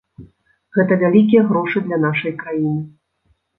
Гэта вялікія грошы для нашай краіны.